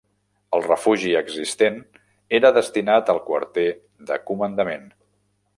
El refugi existent era destinat al quarter de comandament.